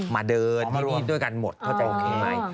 มาเดินด้วยกันหมดเข้าใจโอเคไหม